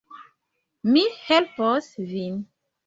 Mi helpos vin